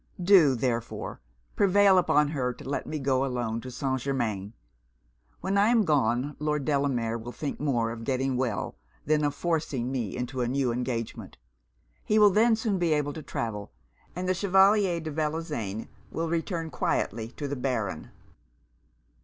Do, therefore, prevail upon her to let me go alone to St. Germains. When I am gone, Lord Delamere will think more of getting well than of forcing me into a new engagement. He will then soon be able to travel; and the Chevalier de Bellozane will return quietly to the Baron.'